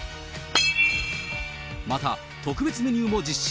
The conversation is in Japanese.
また、特別メニューも実施。